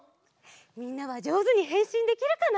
みんなはじょうずにへんしんできるかな？